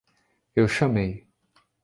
Eu chamei.